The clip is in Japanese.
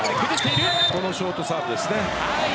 このショートサーブですね。